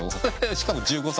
しかも１５歳。